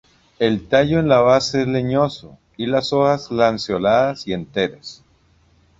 El tallo en la base es leñoso y las hojas lanceoladas y enteras.